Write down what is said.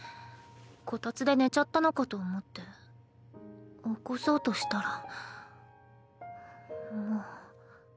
こたつで寝ちゃったのかと思って起こそうとしたらもう。